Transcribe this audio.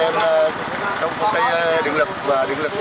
em trong công ty điện lực và điện lực